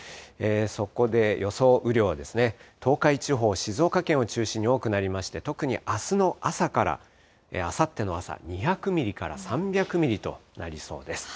そこで、予想雨量ですね、東海地方、静岡県を中心に多くなりまして、特にあすの朝からあさっての朝、２００ミリから３００ミリとなりそうです。